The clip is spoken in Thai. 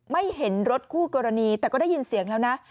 ไม่เห็นรถคู่กรณีแต่ก็ได้ยินเสียงแล้วนะ